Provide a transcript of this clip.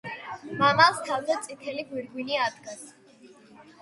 მამალს თავზე წითელი „გვირგვინი“ ადგას.